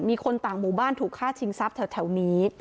มีคนต่างหมู่บ้านถูกฆ่าชิงทรัพย์แถวนี้